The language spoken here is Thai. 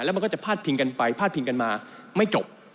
มันก็จะพาดพิงกันไปพาดพิงกันมาไม่จบ